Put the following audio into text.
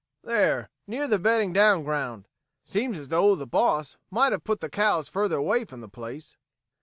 "There, near the bedding down ground. Seems as though the boss might have put the cows further away from the place."